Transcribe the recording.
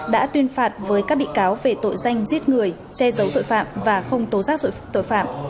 đã tuyên phạt với các bị cáo về tội danh giết người che giấu tội phạm và không tố giác tội phạm